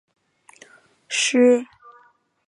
施魏根是德国巴伐利亚州的一个市镇。